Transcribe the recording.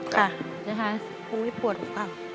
ค่ะพรุ่งไม่ปวดหรือเปล่า